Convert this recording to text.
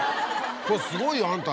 すごいよあんた。